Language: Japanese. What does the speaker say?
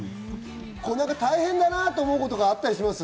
大変だなと思うことはあったりします？